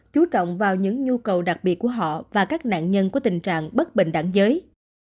chú trọng vào những nhu cầu đặc biệt của họ và các nạn nhân của tình trạng bất bình đẳng giới